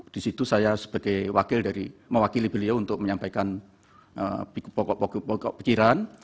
di situ saya sebagai wakil dari mewakili beliau untuk menyampaikan pokok pikiran